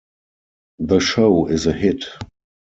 The show is a hit.